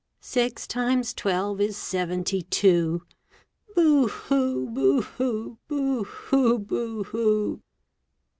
Six times twelve is seventy two. Boo hoo! boo hoo! boo hoo! boo hoo!